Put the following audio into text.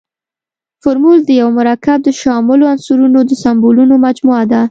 فورمول د یوه مرکب د شاملو عنصرونو د سمبولونو مجموعه ده.